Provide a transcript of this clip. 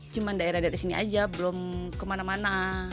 cuma daerah daerah sini aja belum kemana mana